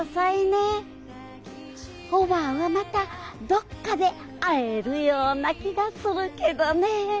おばぁはまたどっかで会えるような気がするけどね。